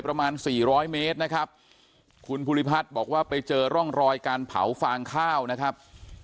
ประมาณสี่ร้อยเมตรนะครับคุณภูริพัฒน์บอกว่าไปเจอร่องรอยการเผาฟางข้าวนะครับ